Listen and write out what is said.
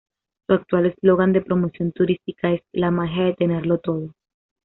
Su actual eslogan de promoción turística es "La magia de tenerlo todo".